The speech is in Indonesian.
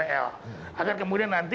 agar kemudian nanti kita bisa menghasilkan